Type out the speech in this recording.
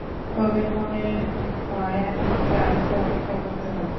তবে মনে হয় তোমাকে আরেকটু অপেক্ষা করতে হবে।